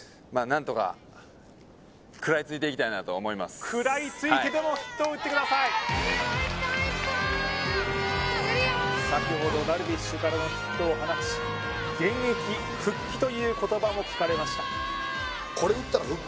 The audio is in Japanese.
相当食らいついてでもヒットを打ってください先ほどダルビッシュからのヒットを放ち現役復帰という言葉も聞かれました